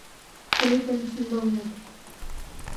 Теве теҥыз ӱмбалнет